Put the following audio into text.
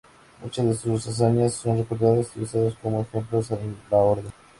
Muchas de sus hazañas son recordadas y usadas como ejemplos en la orden.